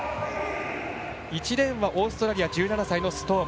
１レーンはオーストラリア１７歳のストーム。